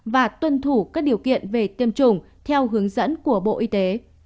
và tuân thủ các điều kiện về tiêm chủng theo hướng dẫn của bộ y tế